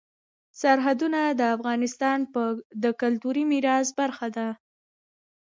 سرحدونه د افغانستان د کلتوري میراث برخه ده.